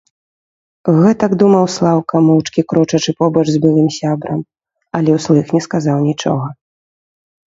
Гэтак думаў Слаўка, моўчкі крочачы побач з былым сябрам, але ўслых не сказаў нічога.